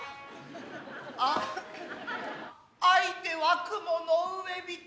相手は雲の上人